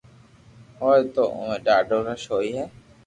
ھوئي تو اووي ڌاڌي رݾ ھوئي ھي